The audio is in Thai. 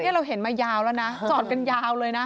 เราเห็นมายาวแล้วนะจอดกันยาวเลยนะ